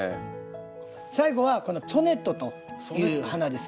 最後はこのソネットという花です。